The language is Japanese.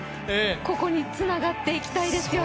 ここにつながっていきたいですよね。